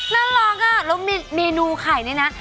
น่ารักอ่ะแล้วเมนูไข่นี่นะ